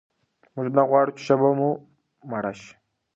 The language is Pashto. موږ نه غواړو چې ژبه مو مړه شي.